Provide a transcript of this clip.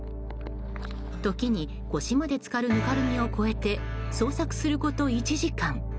時に腰まで浸かるぬかるみを越えて捜索すること１時間。